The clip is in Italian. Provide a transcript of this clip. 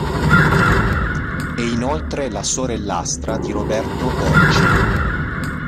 È inoltre la sorellastra di Roberto Orci.